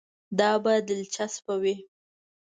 دا به دلچسپه وي.